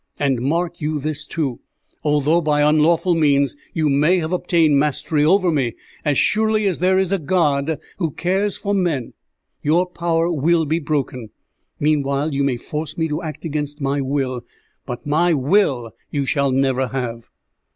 And mark you this, too. Although by unlawful means you may have obtained mastery over me, as surely as there is a God who cares for men, your power will be broken. Meanwhile, you may force me to act against my will, but my will you shall never have!"